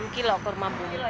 enam kilo kurma buah hari ini